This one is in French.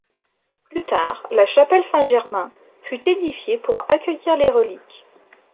Plus tard, la chapelle Saint-Germain fut édifiée pour accueillir les reliques.